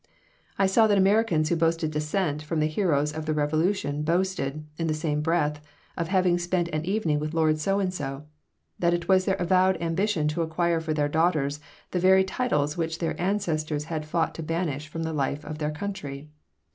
I saw that Americans who boasted descent from the heroes of the Revolution boasted, in the same breath, of having spent an evening with Lord So and so; that it was their avowed ambition to acquire for their daughters the very titles which their ancestors had fought to banish from the life of their country.